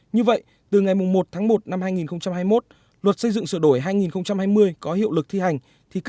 như vậy từ ngày một tháng một năm hai nghìn hai mươi một luật xây dựng sửa đổi hai nghìn hai mươi có hiệu lực thi hành